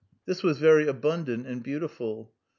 This was very abundant and beautiful.